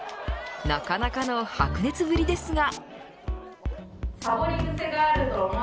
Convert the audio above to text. なかなかの白熱ぶりですが。